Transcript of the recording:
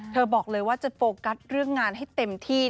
บอกเลยว่าจะโฟกัสเรื่องงานให้เต็มที่